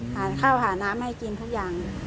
หาข้าวหาน้ำให้กินทุกอย่าง